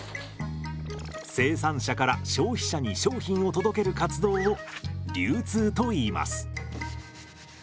生産者から消費者に商品を届ける活動を流通といいます。